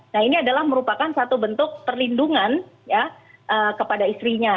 nah ini adalah merupakan satu bentuk perlindungan kepada istrinya